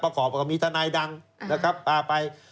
ประขอบว่ามีทนายดังนะครับปลาไป